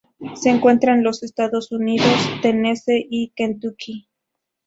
Se encuentra en los Estados Unidos: Tennessee y Kentucky.